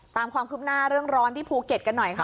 ตามความคืบหน้าเรื่องร้อนที่ภูเก็ตกันหน่อยค่ะ